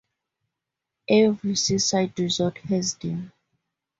Every seaside resort has them.